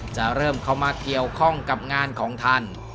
จะเริ่มเข้ามาเกี่ยวข้องกับงานของท่าน